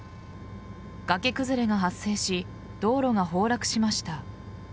崖崩れが発生し道路が崩落しました。